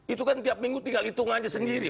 itu kan tiap minggu tinggal hitung aja sendiri